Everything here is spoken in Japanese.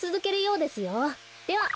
では。